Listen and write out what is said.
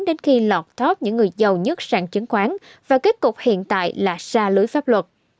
đến khi lọt top những người giàu nhất sang chứng khoán và kết cục hiện tại là xa lưới pháp luật